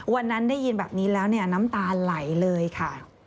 วันนั้นได้ยินแบบนี้แล้วเนี่ยน้ำตาไหลเลยค่ะ